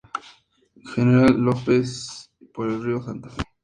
Gral- López, y por el Río Santa Fe.